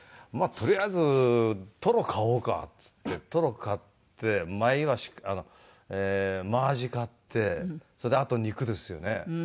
とりあえずトロ買おうかって言ってトロ買ってマイワシマアジ買ってそれであと肉ですよね。